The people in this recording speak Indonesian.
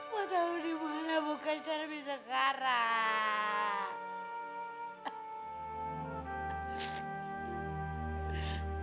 matamu dimana bukanya selvi sekarang